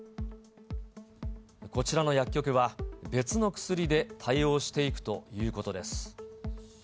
こちらの薬局は、別の薬で対応していくということです。